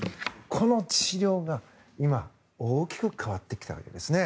この治療が今大きく変わってきたわけですね。